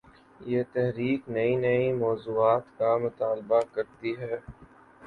یہ 'تحریک‘ نئے نئے مو ضوعات کا مطالبہ کر تی ہے۔